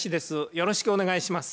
よろしくお願いします。